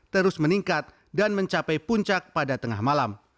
terus meningkat dan mencapai puncak pada tengah malam